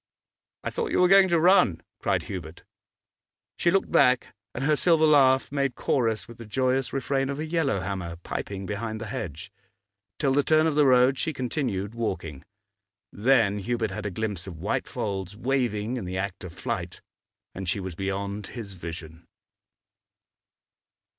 'I thought you were going to run,' cried Hubert. She looked back, and her silver laugh made chorus with the joyous refrain of a yellow hammer, piping behind the hedge. Till the turn of the road she continued walking, then Hubert had a glimpse of white folds waving in the act of flight, and she was beyond his vision.